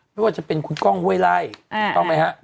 ไม่ว่าจะเป็นคุณก้องห้วยไล่ถูกต้องไหมฮะ